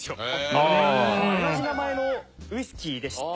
なので同じ名前のウイスキーでして。